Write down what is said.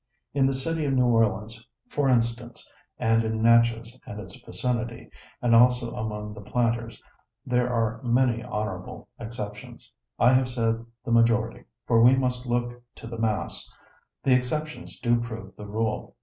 In the city of New Orleans, for instance, and in Natchez and its vicinity, and also among the planters, there are many honorable exceptions. I have said the majority: for we must look to the mass the exceptions do prove the rule.